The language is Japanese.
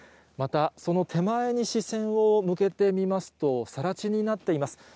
また、その手前に視線を向けてみますと、さら地になっています。